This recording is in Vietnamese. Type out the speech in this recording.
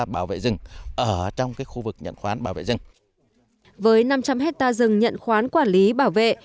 bảo vệ rừng ở trong cái khu vực nhận khoán bảo vệ rừng với năm trăm linh hecta rừng nhận khoán quản lý bảo vệ